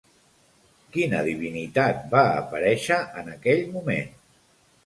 Quina divinitat va aparèixer en aquell moment?